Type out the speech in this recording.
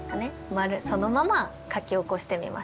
丸そのまま書き起こしてみました。